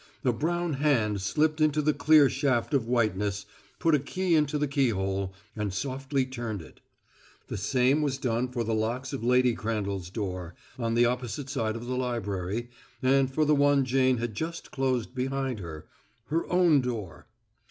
A brown hand slipped into the clear shaft of whiteness, put a key into the keyhole, and softly turned it. The same was done for the locks of Lady Crandall's door, on the opposite side of the library, and for the one Jane had just closed behind her her own door.